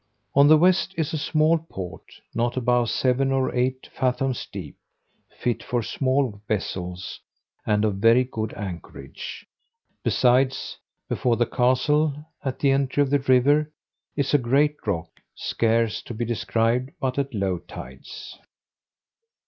On the west is a small port, not above seven or eight fathoms deep, fit for small vessels, and of very good anchorage; besides, before the castle, at the entry of the river, is a great rock, scarce to be described but at low tides.